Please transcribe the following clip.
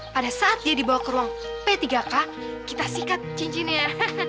pada saat dia dibawa ke ruang p tiga k kita sikat cincinnya